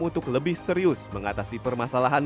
untuk lebih serius mengatasi permasalahan